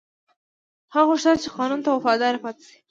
هغه غوښتل چې قانون ته وفادار پاتې شي.